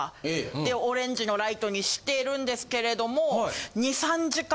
でオレンジのライトにしてるんですけれども。